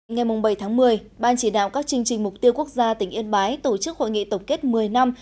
ngày bảy tháng một mươi ban chỉ đạo các chương trình mục tiêu quốc gia tỉnh yên bái tổ chức hội nghị tổng kết một mươi năm